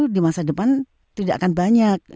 di masa depan tidak akan banyak